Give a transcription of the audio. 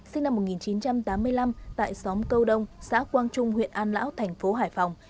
sinh năm một nghìn chín trăm tám mươi năm tại xóm câu đông xã quang trung huyện an lão thành phố hải phòng